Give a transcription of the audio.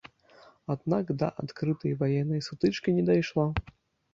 Аднак да адкрытай ваеннай сутычкі не дайшло.